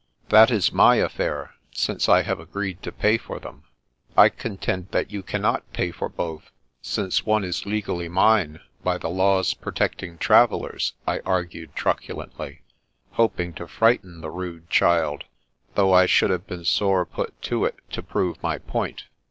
" That is my affair, since I have agreed to pay for them." " I contend that you cannot pay for both, since one is legally mine, by the laws protecting travel lers," I argued truculently, hoping to frighten the rude child, though I should have been sore put to it to prove my point.